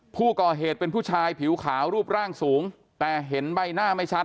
ผู้ก่อเหตุเป็นผู้ชายผิวขาวรูปร่างสูงแต่เห็นใบหน้าไม่ชัด